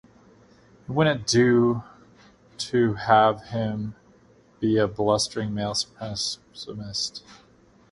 It wouldn’t do to have him be a blustering male supremacist.